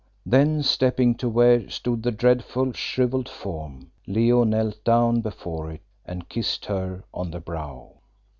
Then stepping to where stood the dreadful, shrivelled form, Leo knelt down before it and kissed her on the brow.